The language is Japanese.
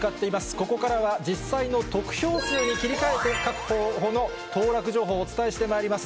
ここからは実際の得票数に切り替えて、各候補の当落情報をお伝えしてまいります。